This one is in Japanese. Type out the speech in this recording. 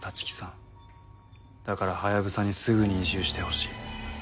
だからハヤブサにすぐに移住してほしい。